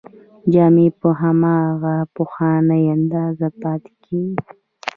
جامې په هماغه پخوانۍ اندازه پاتې کیږي.